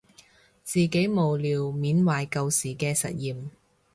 自己無聊緬懷舊時嘅實驗